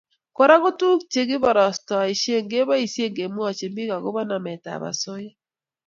Kora ko tuguk che kiborostoishe keboisie kemwochine bik agobo nametab osoya